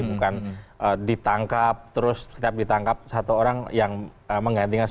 bukan ditangkap terus setiap ditangkap satu orang yang menggantikan sepuluh orang ya